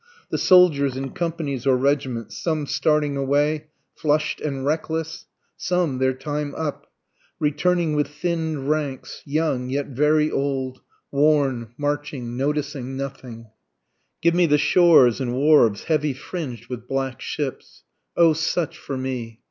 (The soldiers in companies or regiments some starting away, flush'd and reckless, Some, their time up, returning with thinn'd ranks, young, yet very old, worn, marching, noticing nothing;) Give me the shores and wharves heavy fringed with black ships! O such for me!